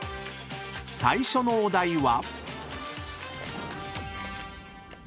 ［最初のお題は？］